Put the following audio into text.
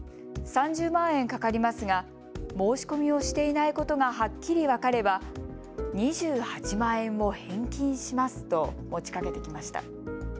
３０万円かかりますが申し込みをしていないことがはっきり分かれば２８万円を返金しますと持ちかけてきました。